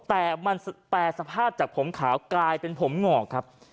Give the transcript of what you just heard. แต่มันแปลสภาพจากผมขาวกลายเป็นผมหงอกครับ